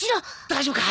大丈夫か？